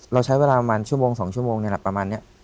เราใช้เวลาประมาณชั่วโมง๒ชั่วโมงนี่แหละประมาณนี้